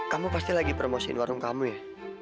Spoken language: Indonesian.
kamu pasti lagi promosiin warung kamu ya